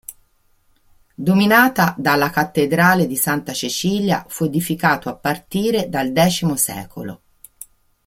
Dominata dalla Cattedrale di Santa Cecilia, fu edificato a partire dal X secolo.